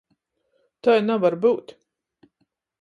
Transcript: Tai navar byut.